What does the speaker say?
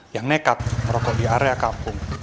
yang nekat merokok di area kampung